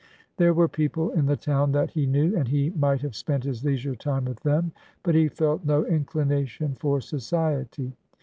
There were people in the town that he knew, and he might have spent his leisure time with them, but he felt no inclination for society.